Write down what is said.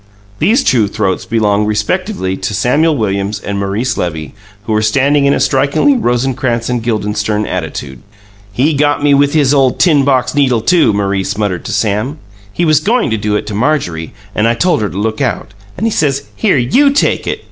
These two throats belonged respectively to Samuel Williams and Maurice Levy, who were standing in a strikingly Rosencrantz and Guildenstern attitude. "He got me with his ole tin box needle, too," Maurice muttered to Sam. "He was goin' to do it to Marjorie, and I told her to look out, and he says, 'Here, YOU take it!'